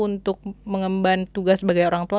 untuk mengemban tugas sebagai orang tua